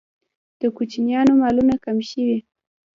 د کوچیانو مالونه کم شوي؟